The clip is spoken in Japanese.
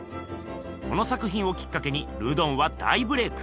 この作ひんをきっかけにルドンは大ブレーク。